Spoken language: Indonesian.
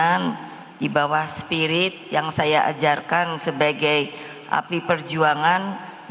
yang di bawah spirit yang saya ajarkan sebagai api perjuangan